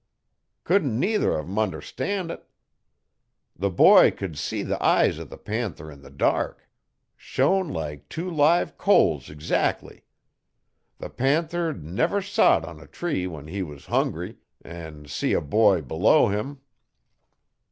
Couldn't neither on 'em understan' it. The boy c'u'd see the eyes o' the panther 'n the dark. Shone like tew live coals eggszac'ly. The panther 'd never sot 'n a tree when he was hungry, 'n see a boy below him.